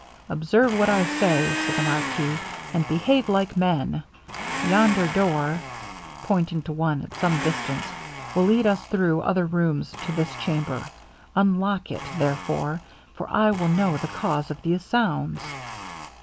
'Observe what I say,' said the marquis, 'and behave like men. Yonder door,' pointing to one at some distance, 'will lead us through other rooms to this chamber unlock it therefore, for I will know the cause of these sounds.'